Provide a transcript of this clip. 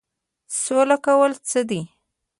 سوله کول څه دي؟